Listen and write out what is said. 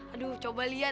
aduh coba lihat